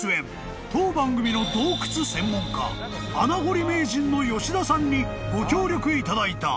［当番組の洞窟専門家穴掘り名人の田さんにご協力いただいた］